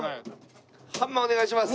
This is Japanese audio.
ハンマーお願いします！